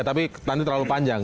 tapi nanti terlalu panjang